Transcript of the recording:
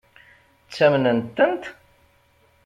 Ttamnent-tent?